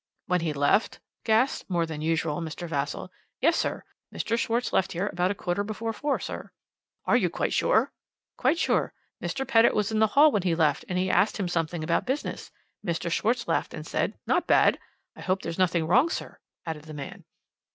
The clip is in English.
"'When he left?' gasped, more than said, Mr. Vassall. "'Yes, sir. Mr. Schwarz left here about a quarter before four, sir.' "'Are you quite sure?' "'Quite sure. Mr. Pettitt was in the hall when he left, and he asked him something about business. Mr. Schwarz laughed and said, "not bad." I hope there's nothing wrong, sir,' added the man.